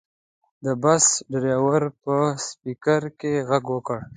د بس ډریور په سپیکر کې غږ وکړ.